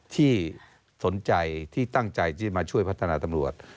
ที่สนใจที่ตั้งใจที่จะมาช่วยพัฒนาตำรวจ